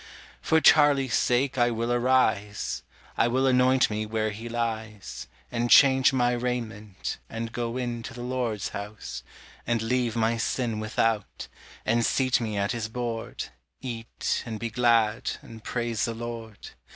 For Charlie's sake I will arise; I will anoint me where he lies, And change my raiment, and go in To the Lord's house, and leave my sin Without, and seat me at his board, Eat, and be glad, and praise the Lord.